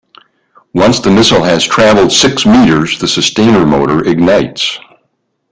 Once the missile has travelled six meters, the sustainer motor ignites.